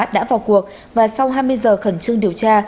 đã vào cuộc và sau hai mươi giờ khẩn trương điều tra